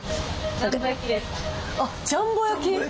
あっジャンボ焼き？